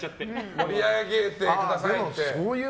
盛り上げてくださいって。